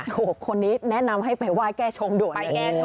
โอ้โหคนนี้แนะนำให้ไปว่ายแก้ชงด้วย